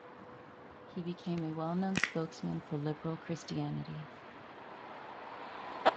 He became a well-known spokesman for liberal Christianity.